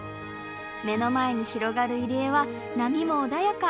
目の前に広がる入り江は波も穏やか。